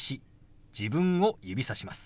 自分を指さします。